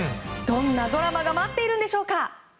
どんなドラマが待っているんでしょうか。